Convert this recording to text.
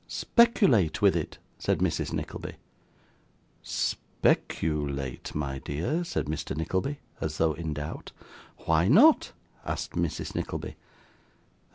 'Speculate with it,' said Mrs. Nickleby. 'Spec u late, my dear?' said Mr. Nickleby, as though in doubt. 'Why not?' asked Mrs. Nickleby.